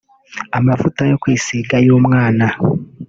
amavuta yo kwisiga y’umwana